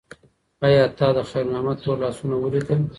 ایا تا د خیر محمد تور لاسونه ولیدل؟